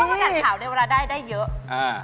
ผักกัดขาวในเวลาได้ได้เยอะ